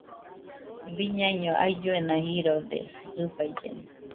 Biñaino ailluena jirode jɨfaillena